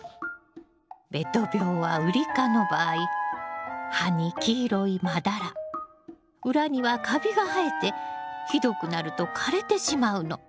べと病はウリ科の場合葉に黄色いまだら裏にはカビが生えてひどくなると枯れてしまうの。